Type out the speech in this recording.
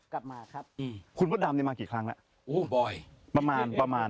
กลับมาครับอืมคุณพ่อดำเนี่ยมากี่ครั้งแล้วโอ้บ่อยประมาณประมาณ